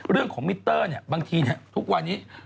เรื่องของมิตเตอร์เนี่ยบางทีเนี่ยทุกวันนี้